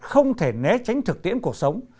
không thể né tránh thực tiễn cuộc sống